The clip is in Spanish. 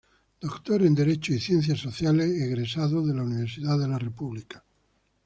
Doctor en Derecho y Ciencias Sociales egresado de la Universidad de la República.